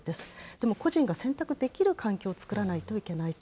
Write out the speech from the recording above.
でも個人が選択できる環境を作らないといけないと。